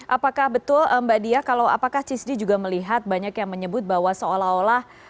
apakah betul mbak diah kalau apakah cisdi juga melihat banyak yang menyebut bahwa seolah olah